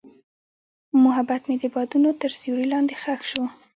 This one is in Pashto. محبت مې د بادونو تر سیوري لاندې ښخ شو.